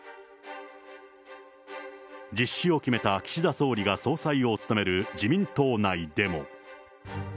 実施を決めた岸田総理が総裁を務める自民党内でも。